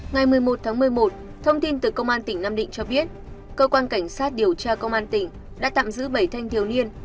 ngày một mươi một tháng một mươi một thông tin từ công an tỉnh nam định cho biết cơ quan cảnh sát điều tra công an tỉnh đã tạm giữ bảy thanh thiếu niên